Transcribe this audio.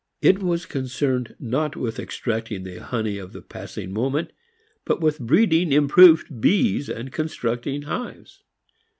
It was concerned not with extracting the honey of the passing moment but with breeding improved bees and constructing hives.